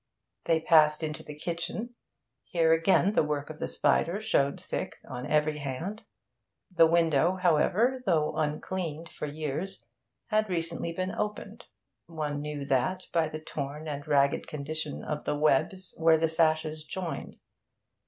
They passed into the kitchen. Here again the work of the spider showed thick on every hand. The window, however, though uncleaned for years, had recently been opened; one knew that by the torn and ragged condition of the webs where the sashes joined.